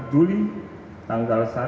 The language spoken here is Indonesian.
juli tanggal satu